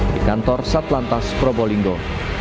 di kantor sat lantas probolinggo